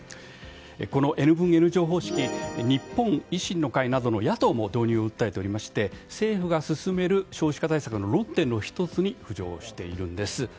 このＮ分Ｎ乗方式日本維新の会などの野党も導入を訴えておりまして政府が進める少子化対策の論点の１つに浮上しているんです。